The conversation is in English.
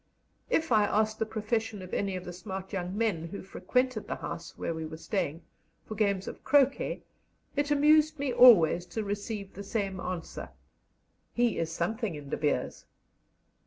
If I asked the profession of any of the smart young men who frequented the house where we were staying, for games of croquet, it amused me always to receive the same answer, "He is something in De Beers."